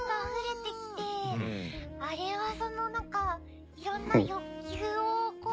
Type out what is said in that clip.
あれはそのなんか。